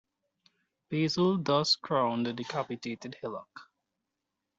Basil thus crowned the decapitated hillock.